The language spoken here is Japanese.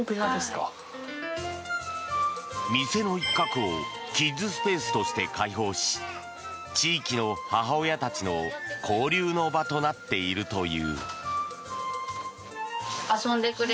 店の一角をキッズスペースとして開放し地域の母親たちの交流の場となっているという。